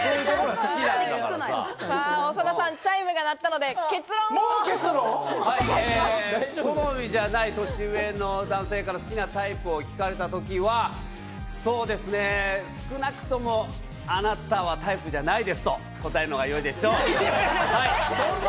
好みじゃない年上の男性から好きなタイプを聞かれた時は、そうですね、少なくともあなたはタイプじゃないですと答えるのが良いでしょう。